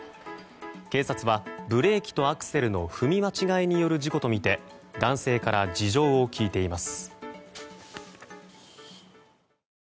警察はブレーキとアクセルの踏み間違いによる事故とみて男性から事情を聴いています。